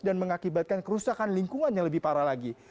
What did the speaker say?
dan mengakibatkan kerusakan lingkungan yang lebih parah lagi